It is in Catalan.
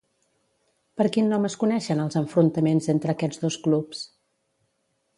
Per quin nom es coneixen els enfrontaments entre aquests dos clubs?